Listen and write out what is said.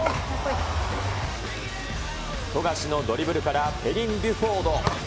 富樫のドリブルからペリン・ビュフォード。